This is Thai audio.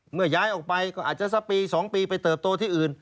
ย้ายออกไปก็อาจจะสักปี๒ปีไปเติบโตที่อื่น